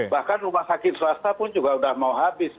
bahkan rumah sakit swasta pun juga sudah mau habis